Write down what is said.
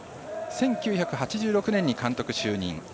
１９８６年に監督就任。